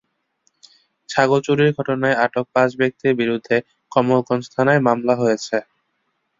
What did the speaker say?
ছাগল চুরির ঘটনায় আটক পাঁচ ব্যক্তির বিরুদ্ধে কমলগঞ্জ থানায় মামলা হয়েছে।